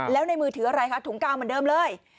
แล้วในมือถืออะไรคะถุงกลางเหมือนเดิมเลย